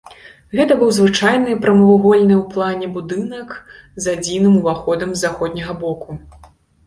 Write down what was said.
Гэта быў звычайны прамавугольны ў плане будынак з адзіным уваходам з заходняга боку.